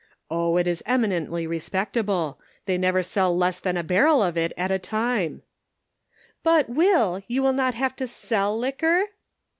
Oh. it is eminently respectable. They never sell less than a barrel of it at a time I "" But, Will, you will not have to sell liquor